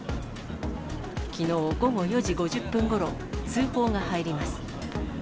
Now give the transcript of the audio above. きのう午後４時５０分ごろ、通報が入ります。